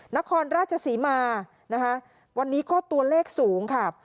นครราชศรีมานะคะวันนี้ก็ตัวเลขสูงค่ะ